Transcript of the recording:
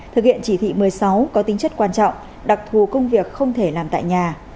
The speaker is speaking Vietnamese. thực hiện chỉ thị một mươi sáu có tính chất quan trọng đặc thù công việc không thể làm tại nhà